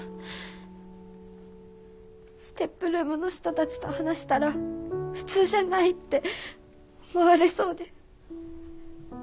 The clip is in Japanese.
ＳＴＥＰルームの人たちと話したら普通じゃないって思われそうで。